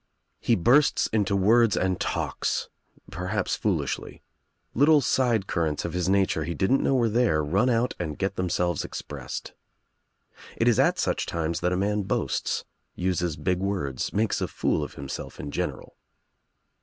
He bursts into words and talks, perhaps foolishly. Little side currents of his nature he didn't know were there run out and get themselves expressed. It is at such times that a man boasts, uses big words, makes a fool of himself in general.